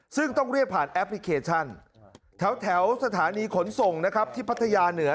ซึ่งต้องเรียกผ่านแอปพลิเคชันแถวสถานีขนส่งนะครับที่พัทยาเหนือ